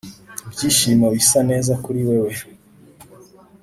ibyishimo bisa neza kuri wewe.